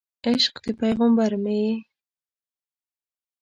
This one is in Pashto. عشق د پیغمبر مې یې